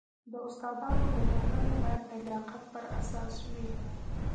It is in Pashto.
د استادانو ګمارنه باید د لیاقت پر اساس وي